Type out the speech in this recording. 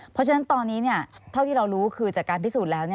เพราะฉะนั้นตอนนี้เท่าที่เรารู้คือจากการพิสูจน์แล้ว